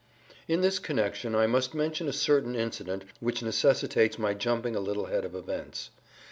In this connection I must mention a certain incident which necessitates my jumping a little ahead of events.